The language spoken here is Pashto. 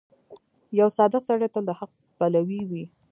• یو صادق سړی تل د حق پلوی وي.